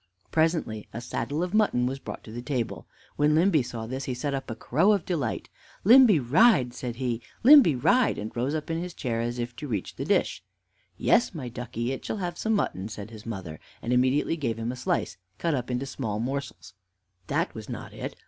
Presently a saddle of mutton was brought on the table. When Limby saw this he set up a crow of delight. "Limby ride," said he "Limby ride!" and rose up in his chair, as if to reach the dish. "Yes, my ducky, it shall have some mutton," said his mother, and immediately gave him a slice, cut up into small morsels. That was not it.